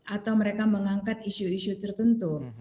atau mereka mengangkat isu isu tertentu